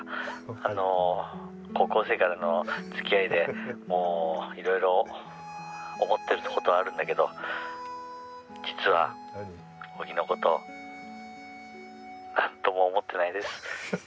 あの高校生からのつきあいでもういろいろ思ってることはあるんだけど実は小木のこと何とも思ってないです。